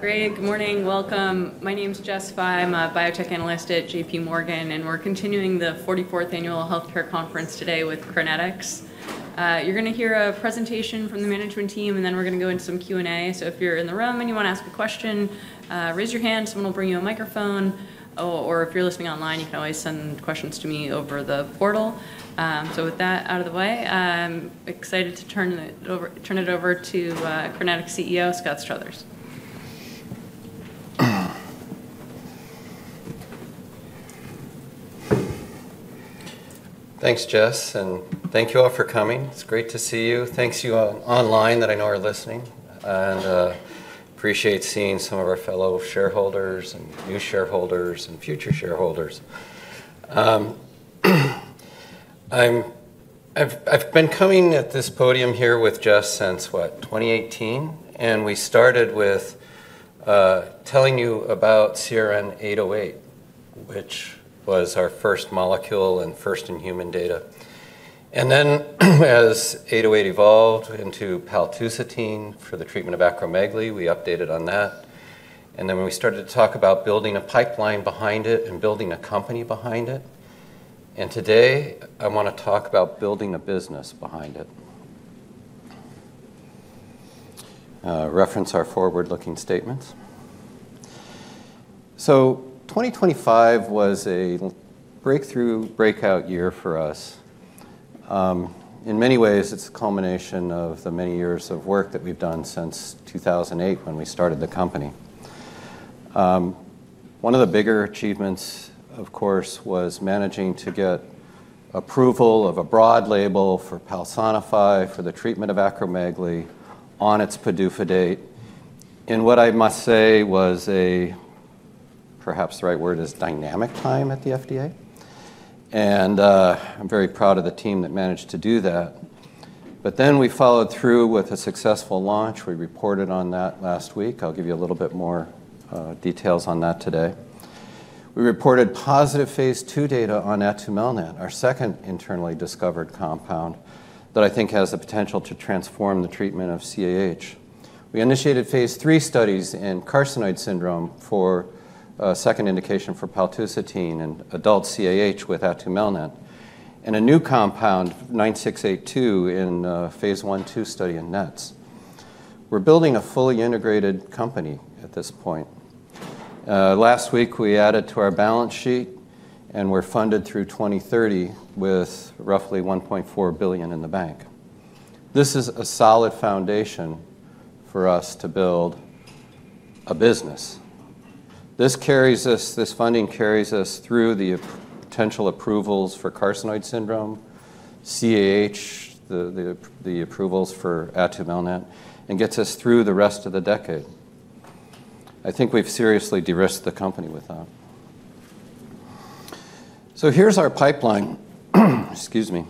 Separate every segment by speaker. Speaker 1: Great. Good morning. Welcome. My name's Jess Fye. I'm a biotech analyst at J.P. Morgan, and we're continuing the 44th Annual Healthcare Conference today with Crinetics. You're going to hear a presentation from the management team, and then we're going to go into some Q&A. So if you're in the room and you want to ask a question, raise your hand. Someone will bring you a microphone. Or if you're listening online, you can always send questions to me over the portal. So with that out of the way, I'm excited to turn it over to Crinetics CEO, Scott Struthers.
Speaker 2: Thanks, Jess. And thank you all for coming. It's great to see you. Thanks to you online that I know are listening. And I appreciate seeing some of our fellow shareholders and new shareholders and future shareholders. I've been coming at this podium here with Jess since, what, 2018? And we started with telling you about CRN808, which was our first molecule and first in human data. And then as 808 evolved into paltusotine for the treatment of acromegaly, we updated on that. And then we started to talk about building a pipeline behind it and building a company behind it. And today I want to talk about building a business behind it. Reference our forward-looking statements. So 2025 was a breakthrough breakout year for us. In many ways, it's a culmination of the many years of work that we've done since 2008 when we started the company. One of the bigger achievements, of course, was managing to get approval of a broad label for Palsinify for the treatment of acromegaly on its PDUFA date. And what I must say was a, perhaps the right word is dynamic time at the FDA. And I'm very proud of the team that managed to do that. But then we followed through with a successful launch. We reported on that last week. I'll give you a little bit more details on that today. We reported positive phase two data on atumelnant, our second internally discovered compound that I think has the potential to transform the treatment of CAH. We initiated phase three studies in carcinoid syndrome for a second indication for paltusotine in adult CAH with atumelnant and a new compound, 9682, in a phase one two study in NETs. We're building a fully integrated company at this point. Last week we added to our balance sheet and we're funded through 2030 with roughly $1.4 billion in the bank. This is a solid foundation for us to build a business. This funding carries us through the potential approvals for carcinoid syndrome, CAH, the approvals for atumelnant, and gets us through the rest of the decade. I think we've seriously de-risked the company with that. So here's our pipeline. Excuse me.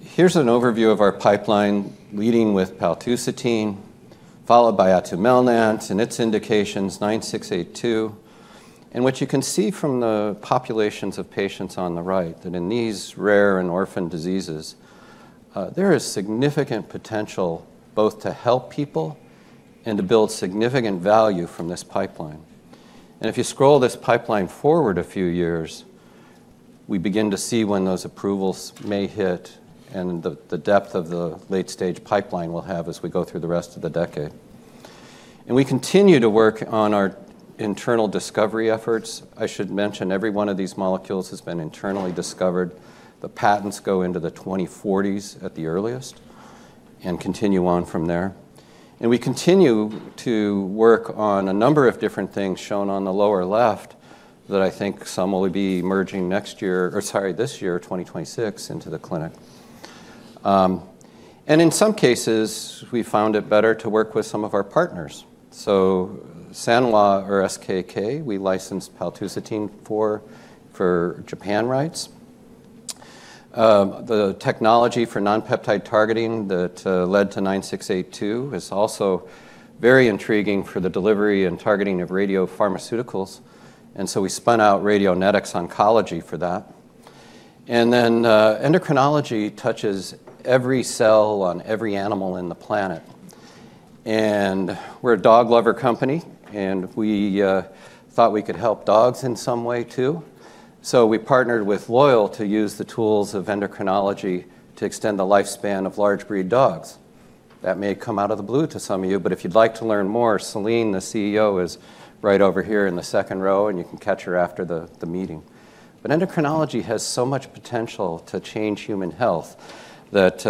Speaker 2: Here's an overview of our pipeline leading with paltusotine, followed by atumelnant and its indications, 9682, and what you can see from the populations of patients on the right that in these rare and orphan diseases, there is significant potential both to help people and to build significant value from this pipeline. And if you scroll this pipeline forward a few years, we begin to see when those approvals may hit and the depth of the late stage pipeline we'll have as we go through the rest of the decade. And we continue to work on our internal discovery efforts. I should mention every one of these molecules has been internally discovered. The patents go into the 2040s at the earliest and continue on from there. And we continue to work on a number of different things shown on the lower left that I think some will be emerging next year or, sorry, this year, 2026, into the clinic. And in some cases, we found it better to work with some of our partners. So Sanwa or SKK, we licensed paltusotine for Japan rights. The technology for non-peptide targeting that led to 9682 is also very intriguing for the delivery and targeting of radiopharmaceuticals. And so we spun out Radionetics Oncology for that. And then endocrinology touches every cell on every animal on the planet. And we're a dog lover company, and we thought we could help dogs in some way too. So we partnered with Loyal to use the tools of endocrinology to extend the lifespan of large breed dogs. That may come out of the blue to some of you, but if you'd like to learn more, Celine, the CEO, is right over here in the second row, and you can catch her after the meeting. But endocrinology has so much potential to change human health that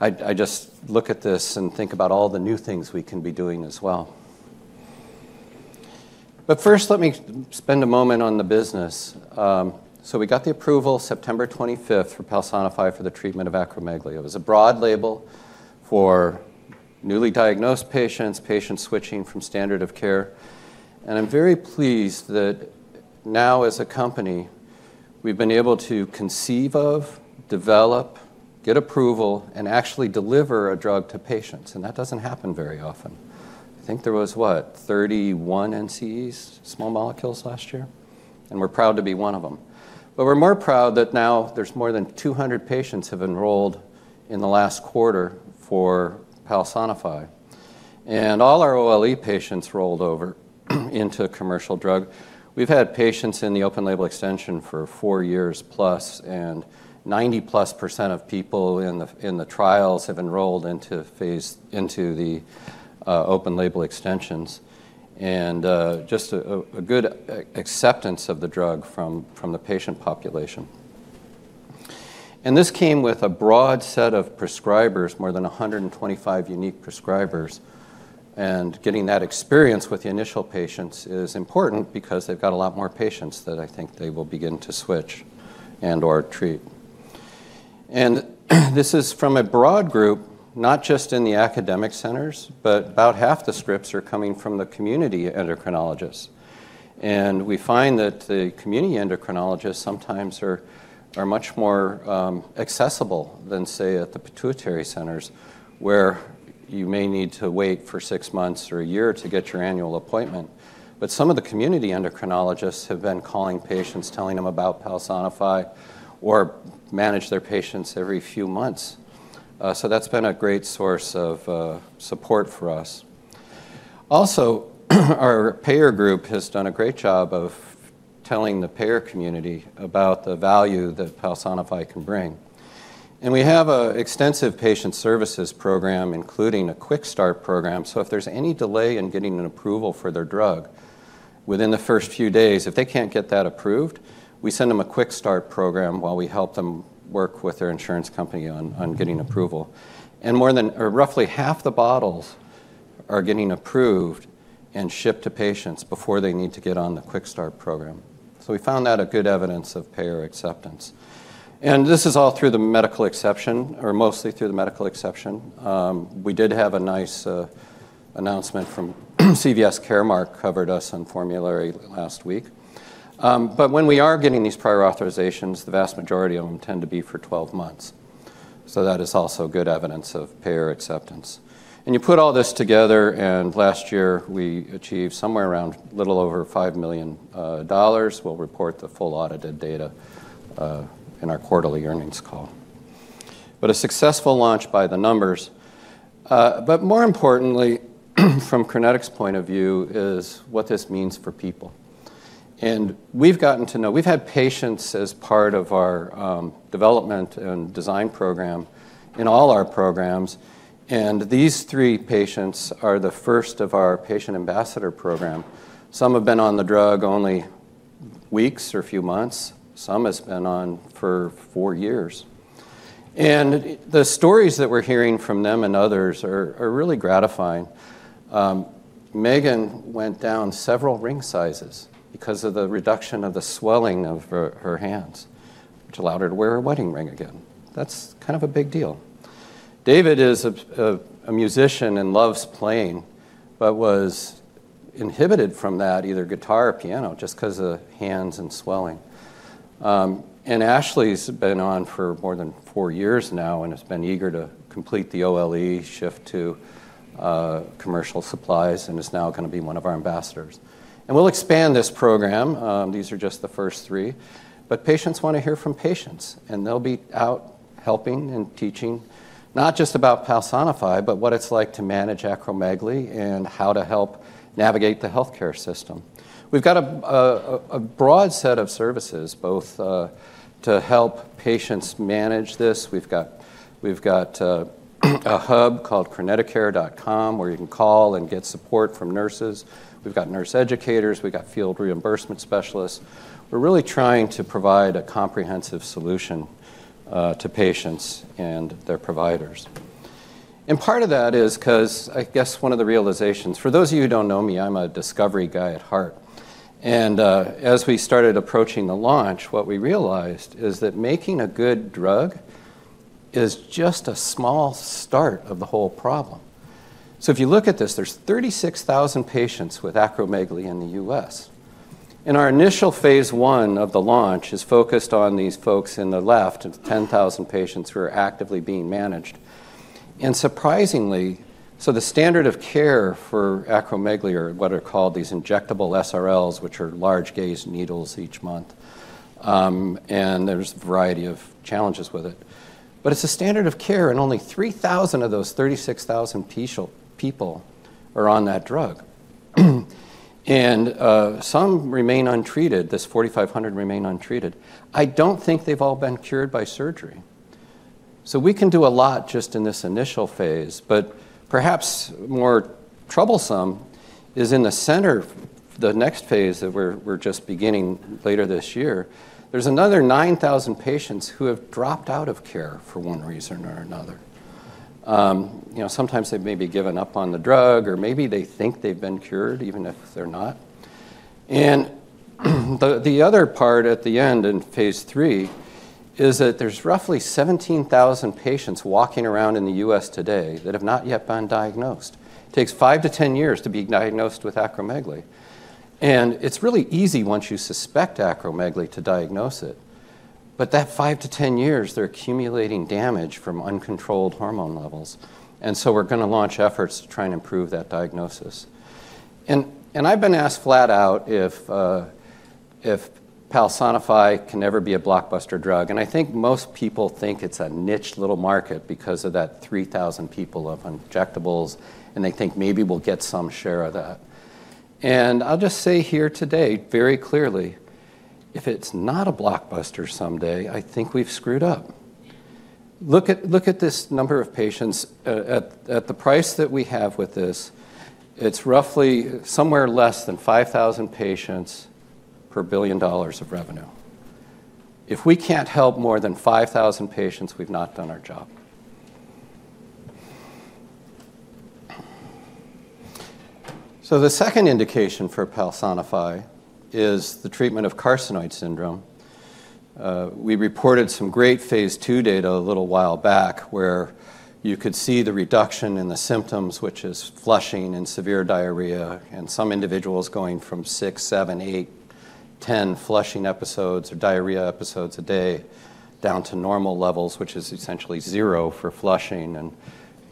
Speaker 2: I just look at this and think about all the new things we can be doing as well. But first, let me spend a moment on the business. So we got the approval September 25th for Palsinify for the treatment of acromegaly. It was a broad label for newly diagnosed patients, patients switching from standard of care. And I'm very pleased that now as a company, we've been able to conceive of, develop, get approval, and actually deliver a drug to patients. And that doesn't happen very often. I think there was, what, 31 NCEs, small molecules last year. And we're proud to be one of them. But we're more proud that now there's more than 200 patients have enrolled in the last quarter for Palsinify. And all our OLE patients rolled over into a commercial drug. We've had patients in the open label extension for four years plus, and 90% plus percent of people in the trials have enrolled into the open label extensions. And just a good acceptance of the drug from the patient population. And this came with a broad set of prescribers, more than 125 unique prescribers. And getting that experience with the initial patients is important because they've got a lot more patients that I think they will begin to switch and/or treat. And this is from a broad group, not just in the academic centers, but about half the scripts are coming from the community endocrinologists. And we find that the community endocrinologists sometimes are much more accessible than, say, at the pituitary centers where you may need to wait for six months or a year to get your annual appointment. But some of the community endocrinologists have been calling patients, telling them about Palsinify, or manage their patients every few months. So that's been a great source of support for us. Also, our payer group has done a great job of telling the payer community about the value that Palsinify can bring. And we have an extensive patient services program, including a Quick Start program. So if there's any delay in getting an approval for their drug within the first few days, if they can't get that approved, we send them a Quick Start program while we help them work with their insurance company on getting approval. And roughly half the bottles are getting approved and shipped to patients before they need to get on the Quick Start program. So we found that a good evidence of payer acceptance. And this is all through the medical exception or mostly through the medical exception. We did have a nice announcement from CVS Caremark covered us on formulary last week. But when we are getting these prior authorizations, the vast majority of them tend to be for 12 months. So that is also good evidence of payer acceptance. And you put all this together, and last year we achieved somewhere around a little over $5 million. We'll report the full audited data in our quarterly earnings call. But a successful launch by the numbers. But more importantly, from Crinetics' point of view, is what this means for people. And we've gotten to know we've had patients as part of our development and design program in all our programs. And these three patients are the first of our patient ambassador program. Some have been on the drug only weeks or a few months. Some have been on for four years. And the stories that we're hearing from them and others are really gratifying. Megan went down several ring sizes because of the reduction of the swelling of her hands, which allowed her to wear a wedding ring again. That's kind of a big deal. David is a musician and loves playing, but was inhibited from that, either guitar or piano, just because of hands and swelling, and Ashley's been on for more than four years now and has been eager to complete the OLE shift to commercial supplies and is now going to be one of our ambassadors, and we'll expand this program. These are just the first three, but patients want to hear from patients, and they'll be out helping and teaching not just about Palsinify, but what it's like to manage acromegaly and how to help navigate the healthcare system. We've got a broad set of services, both to help patients manage this. We've got a hub called CrineTicare.com where you can call and get support from nurses. We've got nurse educators. We've got field reimbursement specialists. We're really trying to provide a comprehensive solution to patients and their providers. And part of that is because I guess one of the realizations, for those of you who don't know me, I'm a discovery guy at heart. And as we started approaching the launch, what we realized is that making a good drug is just a small start of the whole problem. So if you look at this, there's 36,000 patients with acromegaly in the U.S. And our initial phase one of the launch is focused on these folks, less than 10,000 patients who are actively being managed. And surprisingly, so the standard of care for acromegaly are what are called these injectable SRLs, which are large gauge needles each month. There's a variety of challenges with it. It's a standard of care, and only 3,000 of those 36,000 people are on that drug. Some remain untreated, this 4,500 remain untreated. I don't think they've all been cured by surgery. We can do a lot just in this initial phase, but perhaps more troublesome is in the center, the next phase that we're just beginning later this year. There's another 9,000 patients who have dropped out of care for one reason or another. Sometimes they've maybe given up on the drug, or maybe they think they've been cured, even if they're not. The other part at the end in phase three is that there's roughly 17,000 patients walking around in the U.S. today that have not yet been diagnosed. It takes five to 10 years to be diagnosed with acromegaly. And it's really easy once you suspect acromegaly to diagnose it. But that five to 10 years, they're accumulating damage from uncontrolled hormone levels. And so we're going to launch efforts to try and improve that diagnosis. And I've been asked flat out if Palsinify can ever be a blockbuster drug. And I think most people think it's a niche little market because of that 3,000 people of injectables, and they think maybe we'll get some share of that. And I'll just say here today very clearly, if it's not a blockbuster someday, I think we've screwed up. Look at this number of patients. At the price that we have with this, it's roughly somewhere less than 5,000 patients per $1 billion of revenue. If we can't help more than 5,000 patients, we've not done our job. So the second indication for Palsinify is the treatment of carcinoid syndrome. We reported some great phase 2 data a little while back where you could see the reduction in the symptoms, which is flushing and severe diarrhea, and some individuals going from 6, 7, 8, 10 flushing episodes or diarrhea episodes a day down to normal levels, which is essentially zero for flushing and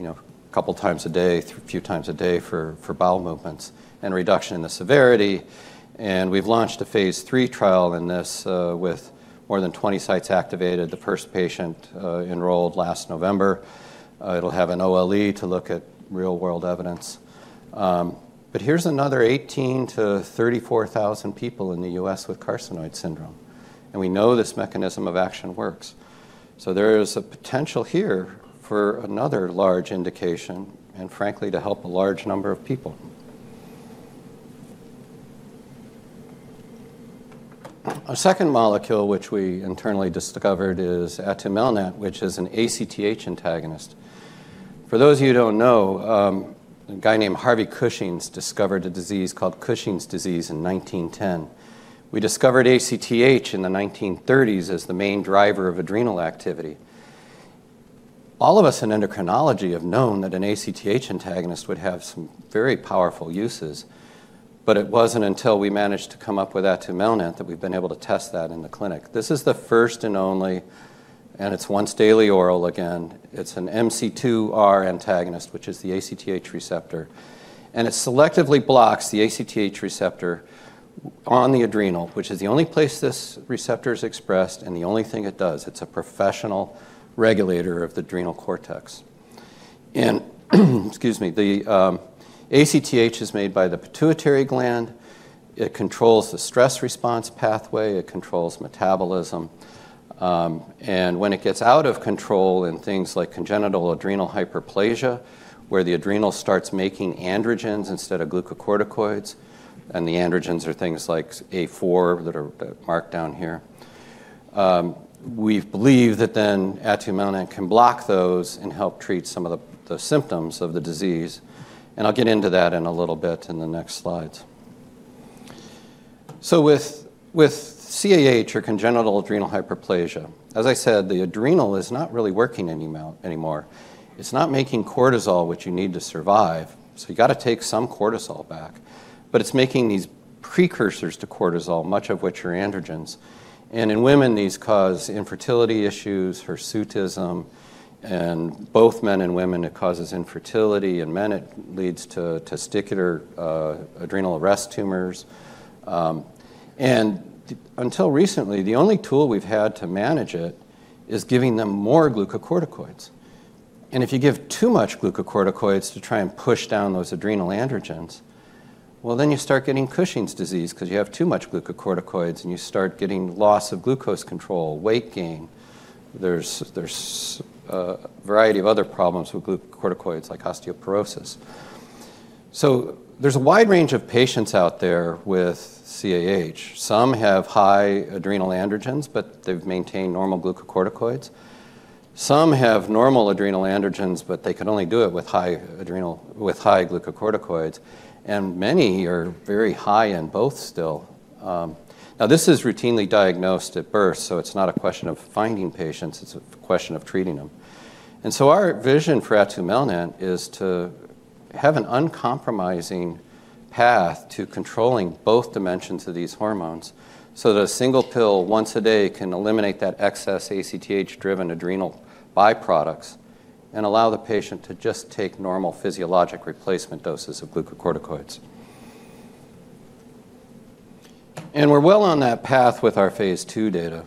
Speaker 2: a couple of times a day, a few times a day for bowel movements, and reduction in the severity. And we've launched a phase 3 trial in this with more than 20 sites activated. The first patient enrolled last November. It'll have an OLE to look at real-world evidence. But here's another 18,000-34,000 people in the U.S. with carcinoid syndrome. And we know this mechanism of action works. So there is a potential here for another large indication and frankly, to help a large number of people. A second molecule which we internally discovered is atumelnant, which is an ACTH antagonist. For those of you who don't know, a guy named Harvey Cushing discovered a disease called Cushing's disease in 1910. We discovered ACTH in the 1930s as the main driver of adrenal activity. All of us in endocrinology have known that an ACTH antagonist would have some very powerful uses, but it wasn't until we managed to come up with atumelnant that we've been able to test that in the clinic. This is the first and only, and it's once daily oral again. It's an MC2R antagonist, which is the ACTH receptor, and it selectively blocks the ACTH receptor on the adrenal, which is the only place this receptor is expressed and the only thing it does. It's a principal regulator of the adrenal cortex, and excuse me, the ACTH is made by the pituitary gland. It controls the stress response pathway. It controls metabolism, and when it gets out of control in things like congenital adrenal hyperplasia, where the adrenal starts making androgens instead of glucocorticoids, and the androgens are things like A4 that are marked down here, we believe that then atumelnant can block those and help treat some of the symptoms of the disease, and I'll get into that in a little bit in the next slides, so with CAH or congenital adrenal hyperplasia, as I said, the adrenal is not really working anymore. It's not making cortisol, which you need to survive. So you've got to take some cortisol back. But it's making these precursors to cortisol, much of which are androgens, and in women, these cause infertility issues, hirsutism, and both men and women, it causes infertility. In men, it leads to testicular adrenal rest tumors. And until recently, the only tool we've had to manage it is giving them more glucocorticoids. And if you give too much glucocorticoids to try and push down those adrenal androgens, well, then you start getting Cushing's disease because you have too much glucocorticoids and you start getting loss of glucose control, weight gain. There's a variety of other problems with glucocorticoids like osteoporosis. So there's a wide range of patients out there with CAH. Some have high adrenal androgens, but they've maintained normal glucocorticoids. Some have normal adrenal androgens, but they can only do it with high glucocorticoids. And many are very high in both still. Now, this is routinely diagnosed at birth, so it's not a question of finding patients. It's a question of treating them. Our vision for atumelnant is to have an uncompromising path to controlling both dimensions of these hormones so that a single pill once a day can eliminate that excess ACTH-driven adrenal byproducts and allow the patient to just take normal physiologic replacement doses of glucocorticoids. We're well on that path with our phase two data.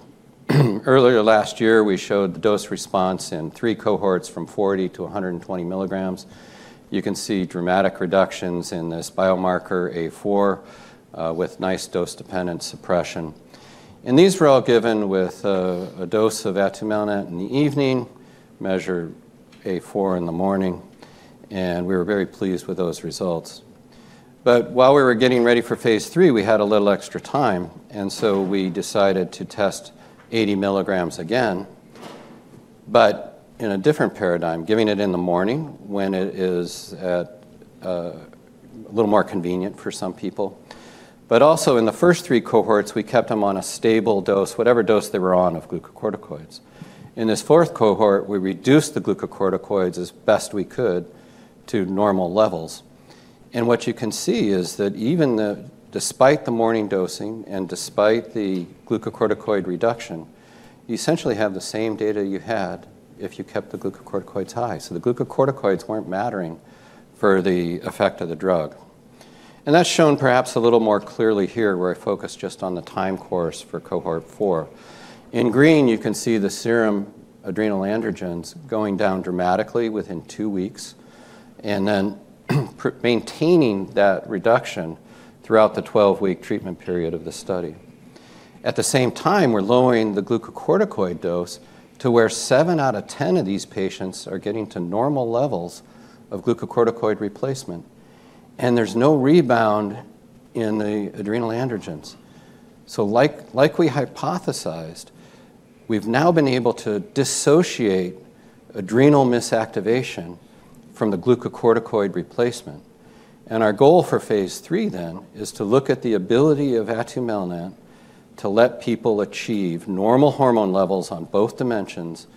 Speaker 2: Earlier last year, we showed the dose response in three cohorts from 40-120 milligrams. You can see dramatic reductions in this biomarker A4 with nice dose-dependent suppression. These were all given with a dose of atumelnant in the evening, measured A4 in the morning. We were very pleased with those results. While we were getting ready for phase three, we had a little extra time. And so we decided to test 80 milligrams again, but in a different paradigm, giving it in the morning when it is a little more convenient for some people. But also in the first three cohorts, we kept them on a stable dose, whatever dose they were on of glucocorticoids. In this fourth cohort, we reduced the glucocorticoids as best we could to normal levels. And what you can see is that even despite the morning dosing and despite the glucocorticoid reduction, you essentially have the same data you had if you kept the glucocorticoids high. So the glucocorticoids weren't mattering for the effect of the drug. And that's shown perhaps a little more clearly here where I focus just on the time course for cohort four. In green, you can see the serum adrenal androgens going down dramatically within two weeks and then maintaining that reduction throughout the 12-week treatment period of the study. At the same time, we're lowering the glucocorticoid dose to where 7 out of 10 of these patients are getting to normal levels of glucocorticoid replacement, and there's no rebound in the adrenal androgens, so like we hypothesized, we've now been able to dissociate adrenal misactivation from the glucocorticoid replacement, and our goal for phase three then is to look at the ability of atumelnant to let people achieve normal hormone levels on both dimensions,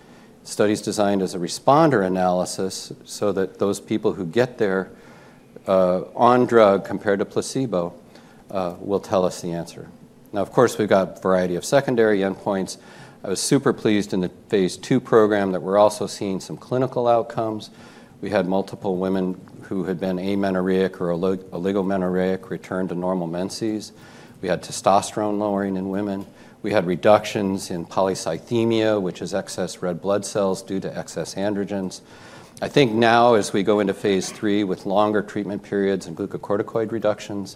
Speaker 2: studies designed as a responder analysis so that those people who get there on drug compared to placebo will tell us the answer. Now, of course, we've got a variety of secondary endpoints. I was super pleased in the phase two program that we're also seeing some clinical outcomes. We had multiple women who had been amenorrheic or oligomenorrheic return to normal menses. We had testosterone lowering in women. We had reductions in polycythemia, which is excess red blood cells due to excess androgens. I think now, as we go into phase three with longer treatment periods and glucocorticoid reductions,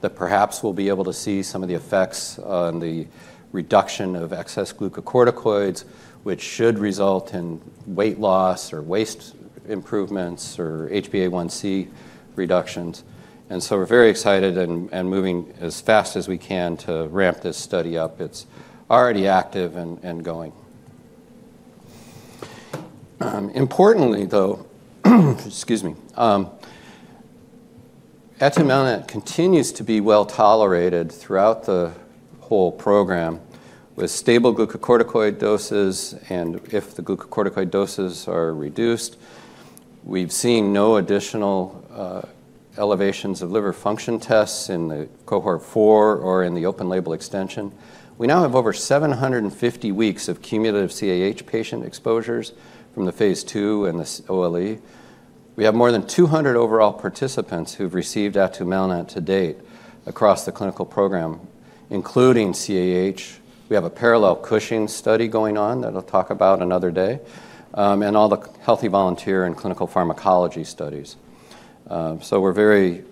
Speaker 2: that perhaps we'll be able to see some of the effects on the reduction of excess glucocorticoids, which should result in weight loss or waist improvements or HbA1c reductions. And so we're very excited and moving as fast as we can to ramp this study up. It's already active and going. Importantly, though, excuse me, atumelnant continues to be well tolerated throughout the whole program with stable glucocorticoid doses. And if the glucocorticoid doses are reduced, we've seen no additional elevations of liver function tests in the cohort four or in the open label extension. We now have over 750 weeks of cumulative CAH patient exposures from the phase two and the OLE. We have more than 200 overall participants who've received Atumelnant to date across the clinical program, including CAH. We have a parallel Cushing's study going on that I'll talk about another day and all the healthy volunteer and clinical pharmacology studies. So we're very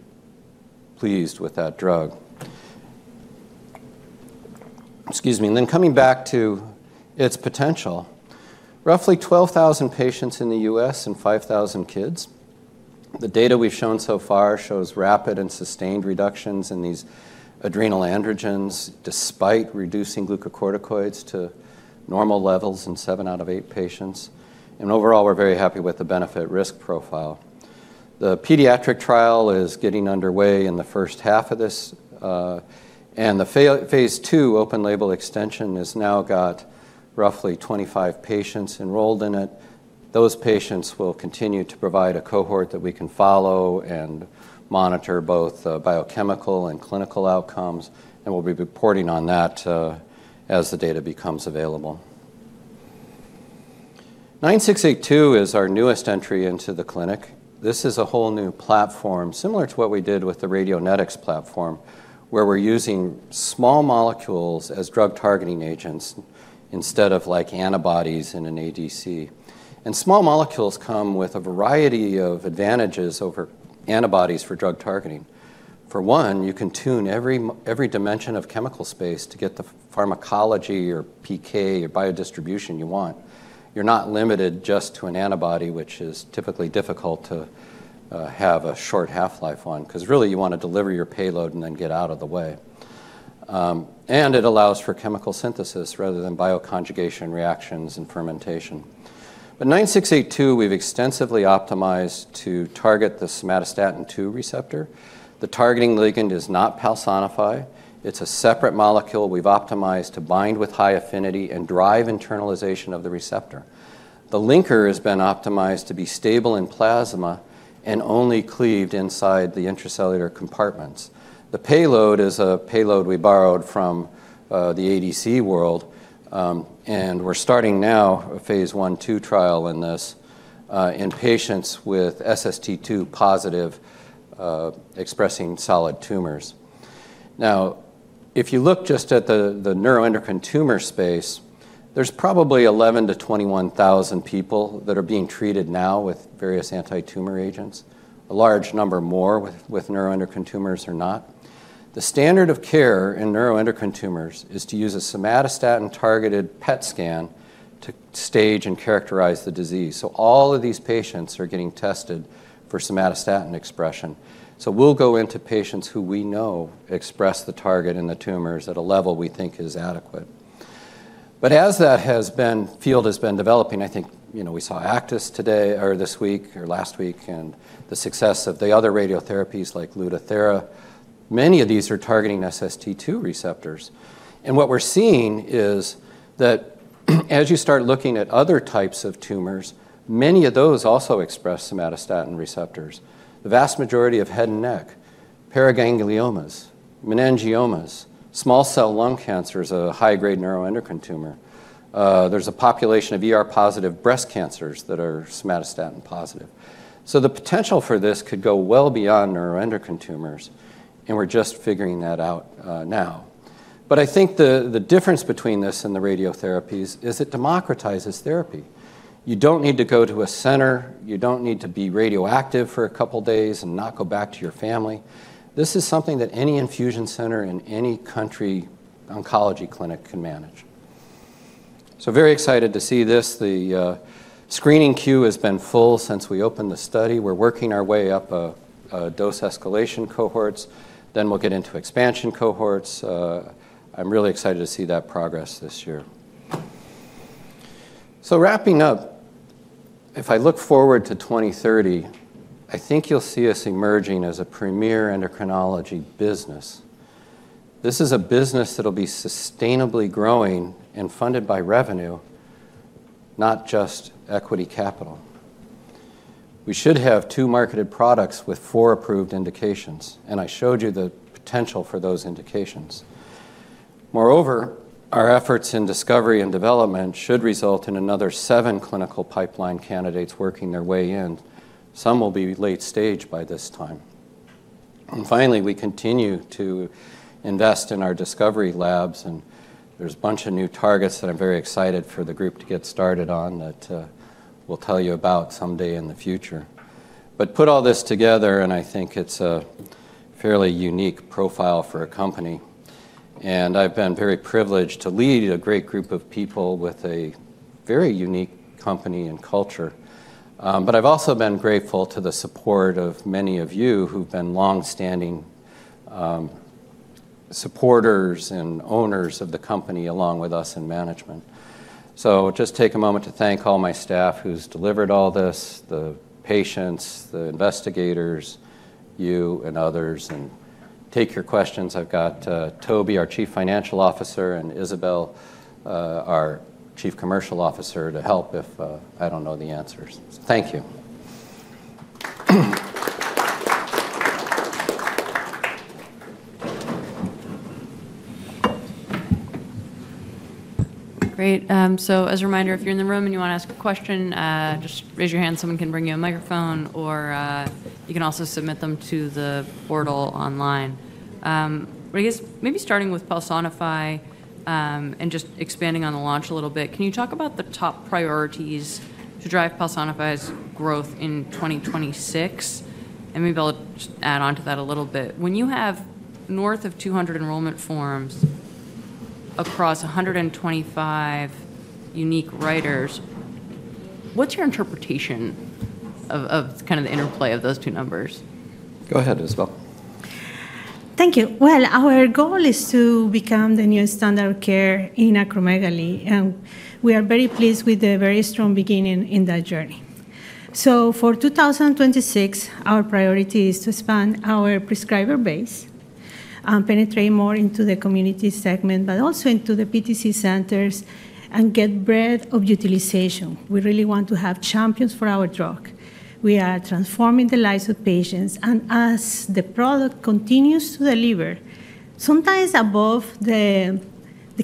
Speaker 2: pleased with that drug. Excuse me. And then coming back to its potential, roughly 12,000 patients in the U.S. and 5,000 kids. The data we've shown so far shows rapid and sustained reductions in these adrenal androgens despite reducing glucocorticoids to normal levels in 7 out of 8 patients. And overall, we're very happy with the benefit-risk profile. The pediatric trial is getting underway in the first half of this. The phase two open label extension has now got roughly 25 patients enrolled in it. Those patients will continue to provide a cohort that we can follow and monitor both biochemical and clinical outcomes. We'll be reporting on that as the data becomes available. 9682 is our newest entry into the clinic. This is a whole new platform similar to what we did with the Radionetics platform, where we're using small molecules as drug targeting agents instead of like antibodies in an ADC. Small molecules come with a variety of advantages over antibodies for drug targeting. For one, you can tune every dimension of chemical space to get the pharmacology or PK or biodistribution you want. You're not limited just to an antibody, which is typically difficult to have a short half-life on because really you want to deliver your payload and then get out of the way. And it allows for chemical synthesis rather than bioconjugation reactions and fermentation. But 9682, we've extensively optimized to target the somatostatin 2 receptor. The targeting ligand is not Palsinify. It's a separate molecule we've optimized to bind with high affinity and drive internalization of the receptor. The linker has been optimized to be stable in plasma and only cleaved inside the intracellular compartments. The payload is a payload we borrowed from the ADC world. And we're starting now a phase 1/2 trial in this in patients with SST2-positive expressing solid tumors. Now, if you look just at the neuroendocrine tumor space, there's probably 11,000-21,000 people that are being treated now with various anti-tumor agents. A large number more with neuroendocrine tumors are not. The standard of care in neuroendocrine tumors is to use a somatostatin-targeted PET scan to stage and characterize the disease. So all of these patients are getting tested for somatostatin expression. So we'll go into patients who we know express the target in the tumors at a level we think is adequate. But as that field has been developing, I think we saw Aktis today or this week or last week and the success of the other radiotherapies like Lutathera. Many of these are targeting SST2 receptors. And what we're seeing is that as you start looking at other types of tumors, many of those also express somatostatin receptors. The vast majority of head and neck, paragangliomas, meningiomas, small cell lung cancers are high-grade neuroendocrine tumors. There's a population of ER-positive breast cancers that are somatostatin positive. So the potential for this could go well beyond neuroendocrine tumors. And we're just figuring that out now. But I think the difference between this and the radiopharmaceuticals is it democratizes therapy. You don't need to go to a center. You don't need to be radioactive for a couple of days and not go back to your family. This is something that any infusion center in any community oncology clinic can manage. So very excited to see this. The screening queue has been full since we opened the study. We're working our way up dose escalation cohorts. Then we'll get into expansion cohorts. I'm really excited to see that progress this year. So wrapping up, if I look forward to 2030, I think you'll see us emerging as a premier endocrinology business. This is a business that will be sustainably growing and funded by revenue, not just equity capital. We should have two marketed products with four approved indications. And I showed you the potential for those indications. Moreover, our efforts in discovery and development should result in another seven clinical pipeline candidates working their way in. Some will be late stage by this time. And finally, we continue to invest in our discovery labs. And there's a bunch of new targets that I'm very excited for the group to get started on that we'll tell you about someday in the future. But put all this together, and I think it's a fairly unique profile for a company. And I've been very privileged to lead a great group of people with a very unique company and culture. But I've also been grateful to the support of many of you who've been longstanding supporters and owners of the company along with us in management. Just take a moment to thank all my staff who's delivered all this, the patients, the investigators, you, and others. Take your questions. I've got Toby, our Chief Financial Officer, and Isabel, our Chief Commercial Officer, to help if I don't know the answers. Thank you.
Speaker 1: Great. So as a reminder, if you're in the room and you want to ask a question, just raise your hand. Someone can bring you a microphone, or you can also submit them to the portal online. But I guess maybe starting with Palsinify and just expanding on the launch a little bit, can you talk about the top priorities to drive Palsinify's growth in 2026? And maybe I'll add on to that a little bit. When you have north of 200 enrollment forms across 125 unique writers, what's your interpretation of kind of the interplay of those two numbers?
Speaker 2: Go ahead, Isabel.
Speaker 3: Thank you. Well, our goal is to become the newest standard of care in acromegaly. And we are very pleased with the very strong beginning in that journey. So for 2026, our priority is to expand our prescriber base and penetrate more into the community segment, but also into the PTC centers and get breadth of utilization. We really want to have champions for our drug. We are transforming the lives of patients. And as the product continues to deliver, sometimes above the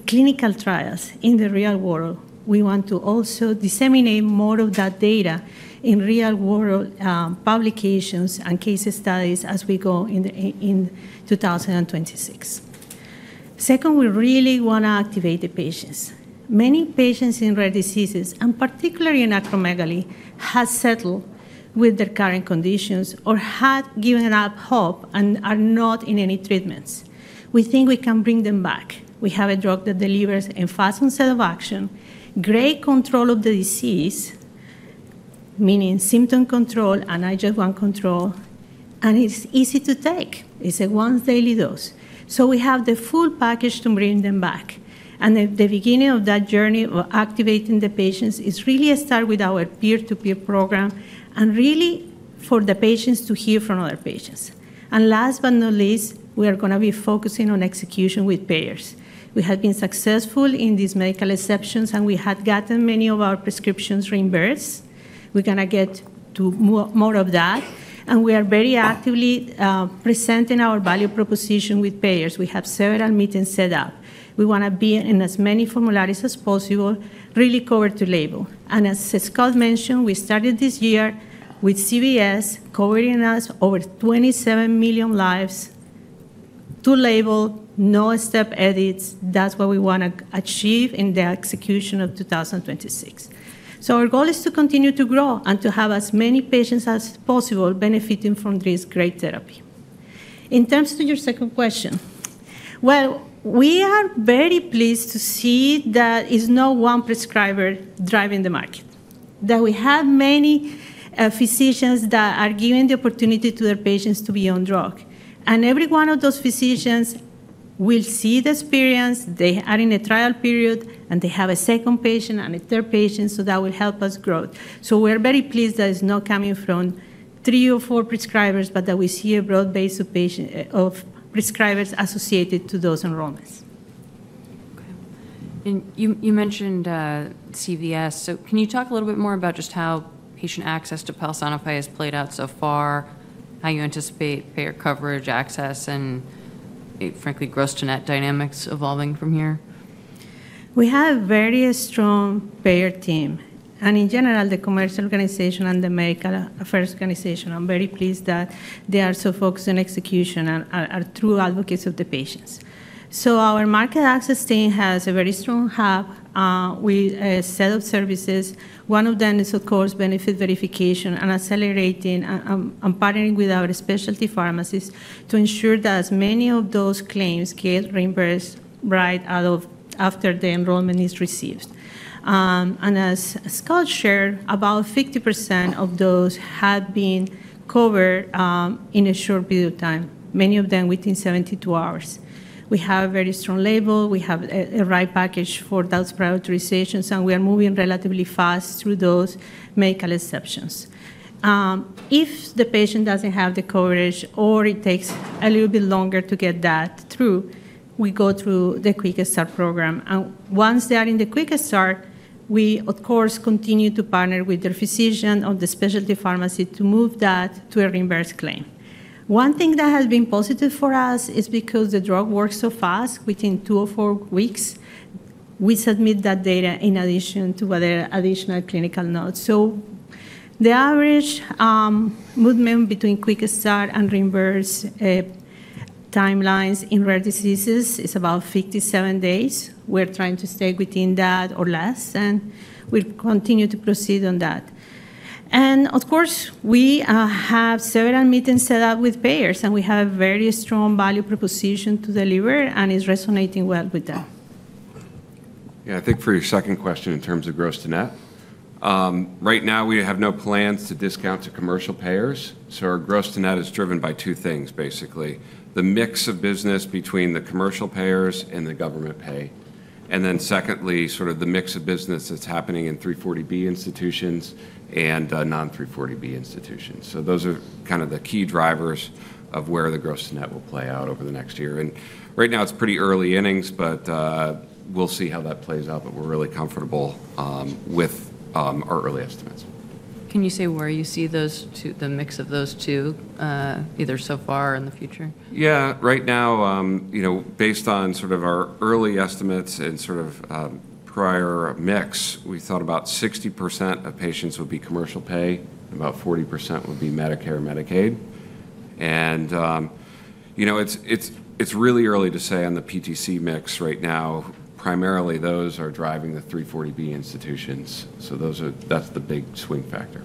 Speaker 3: clinical trials in the real world, we want to also disseminate more of that data in real-world publications and case studies as we go in 2026. Second, we really want to activate the patients. Many patients in rare diseases, and particularly in acromegaly, have settled with their current conditions or have given up hope and are not in any treatments. We think we can bring them back. We have a drug that delivers a fast onset of action, great control of the disease, meaning symptom control and IGF-1 control, and it's easy to take. It's a once-daily dose. So we have the full package to bring them back, and at the beginning of that journey of activating the patients, it's really a start with our peer-to-peer program and really for the patients to hear from other patients, and last but not least, we are going to be focusing on execution with payers. We have been successful in these medical exceptions, and we had gotten many of our prescriptions reimbursed. We're going to get to more of that, and we are very actively presenting our value proposition with payers. We have several meetings set up. We want to be in as many formularies as possible, really convert to label. As Scott mentioned, we started this year with CVS covering us over 27 million lives, to label, no step edits. That's what we want to achieve in the execution of 2026. Our goal is to continue to grow and to have as many patients as possible benefiting from this great therapy. In terms of your second question, well, we are very pleased to see that there is no one prescriber driving the market, that we have many physicians that are giving the opportunity to their patients to be on drug. Every one of those physicians will see the experience. They are in a trial period, and they have a second patient and a third patient. That will help us grow. We're very pleased that it's not coming from three or four prescribers, but that we see a broad base of prescribers associated to those enrollments.
Speaker 1: Okay. And you mentioned CVS. So can you talk a little bit more about just how patient access to Palsinify has played out so far, how you anticipate payer coverage access, and frankly, gross to net dynamics evolving from here?
Speaker 3: We have a very strong payer team. And in general, the commercial organization and the medical affairs organization, I'm very pleased that they are so focused on execution and are true advocates of the patients. So our market access team has a very strong hub with a set of services. One of them is, of course, benefit verification and accelerating and partnering with our specialty pharmacies to ensure that as many of those claims get reimbursed right after the enrollment is received. And as Scott shared, about 50% of those have been covered in a short period of time, many of them within 72 hours. We have a very strong label. We have a right package for those prior authorizations. And we are moving relatively fast through those medical exceptions. If the patient doesn't have the coverage or it takes a little bit longer to get that through, we go through the Quick Start program. And once they are in the Quick Start, we, of course, continue to partner with their physician or the specialty pharmacy to move that to a reimbursed claim. One thing that has been positive for us is because the drug works so fast within two or four weeks, we submit that data in addition to other additional clinical notes. So the average movement between Quick Start and reimbursed timelines in rare diseases is about 57 days. We're trying to stay within that or less. And we'll continue to proceed on that. And of course, we have several meetings set up with payers. And we have a very strong value proposition to deliver. And it's resonating well with them.
Speaker 4: Yeah. I think for your second question in terms of gross to net, right now, we have no plans to discount to commercial payers. So our gross to net is driven by two things, basically, the mix of business between the commercial payers and the government pay. And then secondly, sort of the mix of business that's happening in 340B institutions and non-340B institutions. So those are kind of the key drivers of where the gross to net will play out over the next year. And right now, it's pretty early innings, but we'll see how that plays out. But we're really comfortable with our early estimates.
Speaker 1: Can you say where you see the mix of those two, either so far or in the future?
Speaker 4: Yeah. Right now, based on sort of our early estimates and sort of prior mix, we thought about 60% of patients would be commercial pay, and about 40% would be Medicare and Medicaid. And it's really early to say on the PTC mix right now, primarily those are driving the 340B institutions. So that's the big swing factor.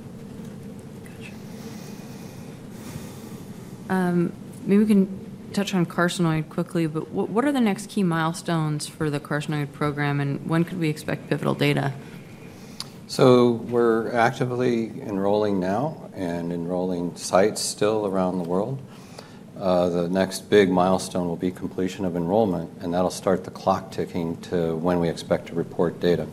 Speaker 1: Gotcha. Maybe we can touch on carcinoid quickly. But what are the next key milestones for the carcinoid program? And when could we expect pivotal data?
Speaker 2: We're actively enrolling now and enrolling sites still around the world. The next big milestone will be completion of enrollment. That'll start the clock ticking to when we expect to report data.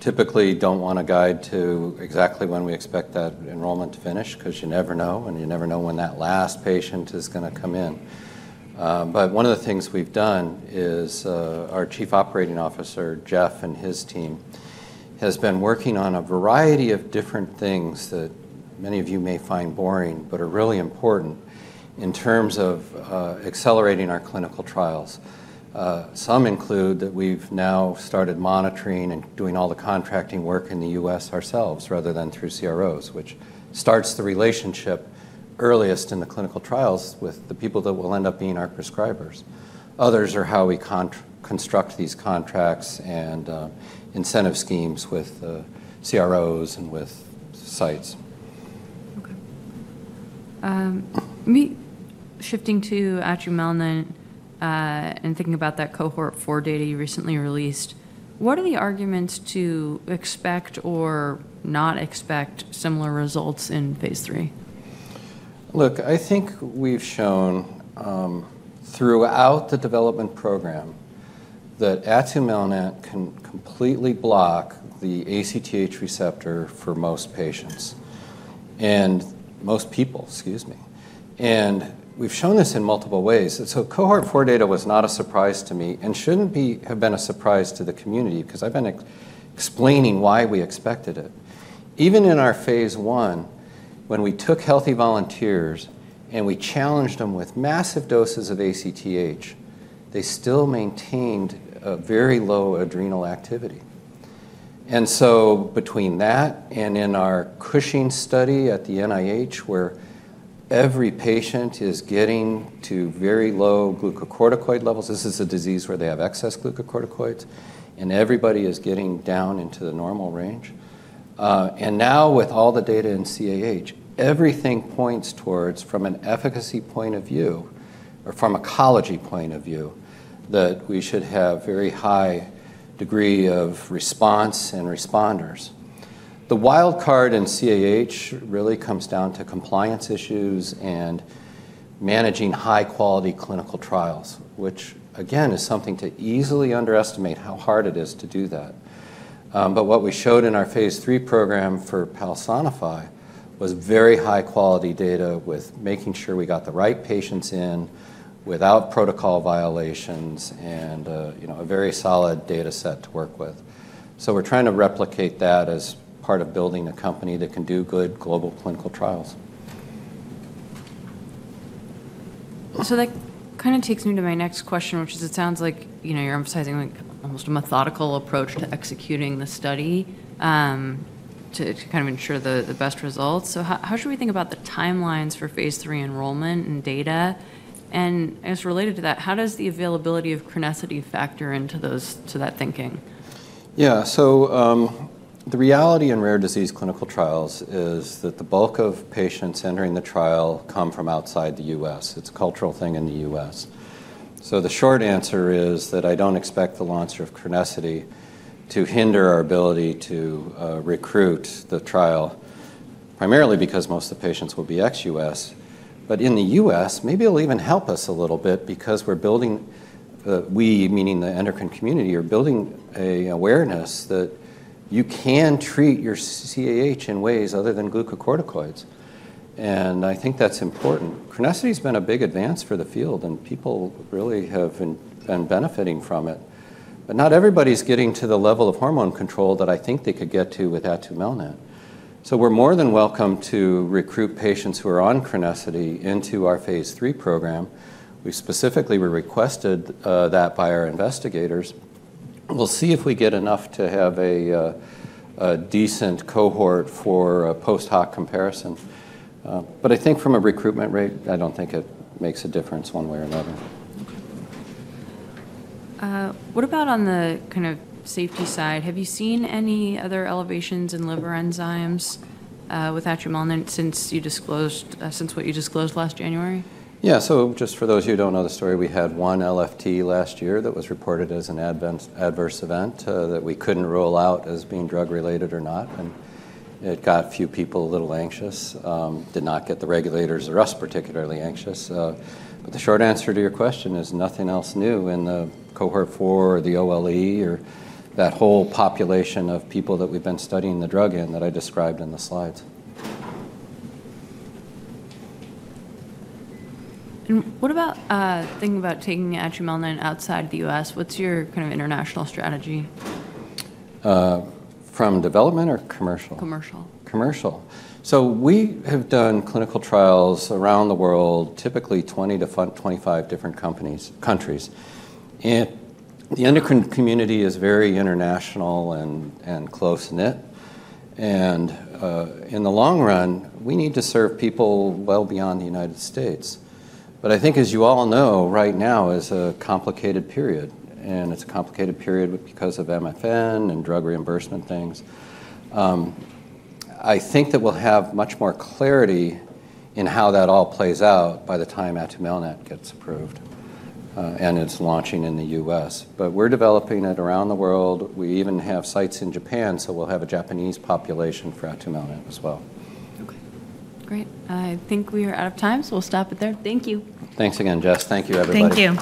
Speaker 2: Typically, don't want to guide to exactly when we expect that enrollment to finish because you never know. You never know when that last patient is going to come in. One of the things we've done is our Chief Operating Officer, Jeff, and his team have been working on a variety of different things that many of you may find boring but are really important in terms of accelerating our clinical trials. Some include that we've now started monitoring and doing all the contracting work in the U.S. ourselves rather than through CROs, which starts the relationship earliest in the clinical trials with the people that will end up being our prescribers. Others are how we construct these contracts and incentive schemes with CROs and with sites.
Speaker 1: Okay. Maybe shifting to Atumelnant and thinking about that cohort four data you recently released, what are the arguments to expect or not expect similar results in phase three?
Speaker 2: Look, I think we've shown throughout the development program that Atumelnant can completely block the ACTH receptor for most patients and most people, excuse me, and we've shown this in multiple ways, and so cohort four data was not a surprise to me and shouldn't have been a surprise to the community because I've been explaining why we expected it. Even in our phase one, when we took healthy volunteers and we challenged them with massive doses of ACTH, they still maintained very low adrenal activity, and so between that and in our Cushing study at the NIH, where every patient is getting to very low glucocorticoid levels, this is a disease where they have excess glucocorticoids, and everybody is getting down into the normal range. And now, with all the data in CAH, everything points towards, from an efficacy point of view or pharmacology point of view, that we should have a very high degree of response and responders. The wild card in CAH really comes down to compliance issues and managing high-quality clinical trials, which, again, is something to easily underestimate how hard it is to do that. But what we showed in our phase three program for Palsinify was very high-quality data with making sure we got the right patients in without protocol violations and a very solid data set to work with. So we're trying to replicate that as part of building a company that can do good global clinical trials.
Speaker 1: So that kind of takes me to my next question, which is it sounds like you're emphasizing almost a methodical approach to executing the study to kind of ensure the best results. So how should we think about the timelines for phase three enrollment and data? And I guess related to that, how does the availability of crinecerfont factor into that thinking?
Speaker 2: Yeah. So the reality in rare disease clinical trials is that the bulk of patients entering the trial come from outside the US. It's a cultural thing in the US. So the short answer is that I don't expect the launch of crinecerfont to hinder our ability to recruit the trial, primarily because most of the patients will be ex-US. But in the US, maybe it'll even help us a little bit because we're building, we, meaning the endocrine community, are building an awareness that you can treat your CAH in ways other than glucocorticoids. And I think that's important. Crinecerfont has been a big advance for the field. And people really have been benefiting from it. But not everybody's getting to the level of hormone control that I think they could get to with atumelnant. We're more than welcome to recruit patients who are on crinecerfont into our phase three program. We specifically were requested that by our investigators. We'll see if we get enough to have a decent cohort for a post-hoc comparison. But I think from a recruitment rate, I don't think it makes a difference one way or another.
Speaker 1: Okay. What about on the kind of safety side? Have you seen any other elevations in liver enzymes with Atumelnant since what you disclosed last January?
Speaker 2: Yeah. So just for those who don't know the story, we had one LFT last year that was reported as an adverse event that we couldn't rule out as being drug-related or not. And it got a few people a little anxious. Did not get the regulators or us particularly anxious. But the short answer to your question is nothing else new in the cohort four or the OLE or that whole population of people that we've been studying the drug in that I described in the slides.
Speaker 1: What about thinking about taking Atumelnant outside the U.S.? What's your kind of international strategy?
Speaker 2: From development or commercial?
Speaker 1: Commercial.
Speaker 2: Commercial. We have done clinical trials around the world, typically 20-25 different countries. The endocrine community is very international and close-knit. In the long run, we need to serve people well beyond the United States. But I think, as you all know, right now is a complicated period. It's a complicated period because of MFN and drug reimbursement things. I think that we'll have much more clarity in how that all plays out by the time Atumelnant gets approved and it's launching in the US. We're developing it around the world. We even have sites in Japan. We'll have a Japanese population for Atumelnant as well.
Speaker 1: Okay. Great. I think we are out of time. So we'll stop it there. Thank you.
Speaker 2: Thanks again, Jess. Thank you, everybody.
Speaker 1: Thank you.